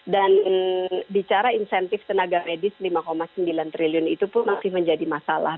dan bicara insentif tenaga medis lima sembilan triliun itu pun masih menjadi masalah